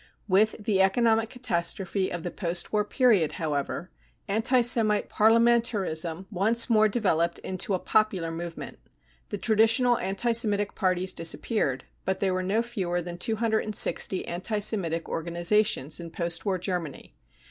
With the economic catastrophe of the post war period, however, anti Semite parliamentarism once more developed into a " popular movement. 35 The tradi tional anti Semitic Parties disappeared, but there were no fewer than 260 anti Semitic organisations in post war Ger many.